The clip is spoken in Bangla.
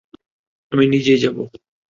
আমি নিজেই যাব।